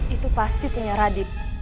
itu pasti punya radit